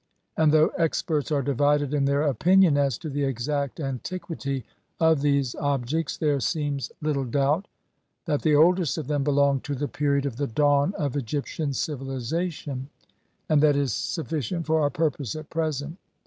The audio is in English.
and, though experts are divided in their opinion as the exact antiquity of these objects, there seems little doubt that the oldest of them belong to the period of the dawn of Egyptian civilization, and that is sufficient for our purpose at present.